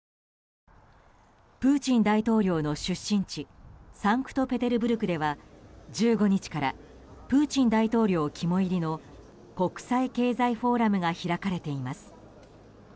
プーチン大統領の出身地サンクトペテルブルクでは１５日からプーチン大統領肝煎りの国際経済フォーラムが開かれています。